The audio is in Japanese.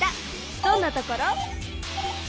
どんなところ？